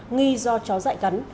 nghi do chó dại cắn